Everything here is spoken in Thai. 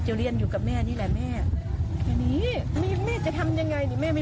เรียนอยู่กับแม่นี่แหละแม่ทีนี้แม่จะทำยังไงนี่แม่ไม่